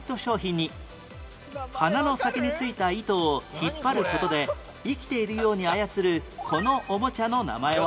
鼻の先についた糸を引っ張る事で生きているように操るこのおもちゃの名前は？